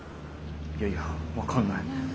いやいや分かんない。